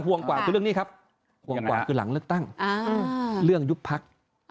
หวงกว่าคือเรื่องยุบพัก